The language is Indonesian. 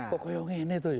kok koyongnya ini tuh ya